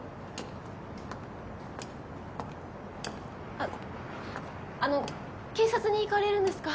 あっあの警察に行かれるんですか？